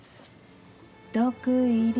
毒入り